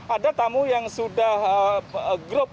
ada tamu yang sudah group